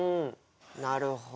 なるほど。